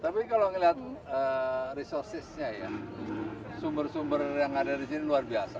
tapi kalau ngelihat resourcesnya ya sumber sumber yang ada di sini luar biasa